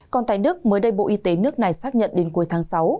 còn tại đức mới đây bộ y tế nước này xác nhận đến cuối tháng sáu